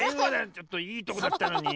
ちょっといいとこだったのに。